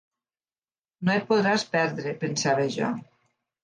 -No et podràs perdre- pensava jo.